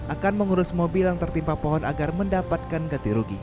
akan mengurus mobil yang tertimpa pohon agar mendapatkan ganti rugi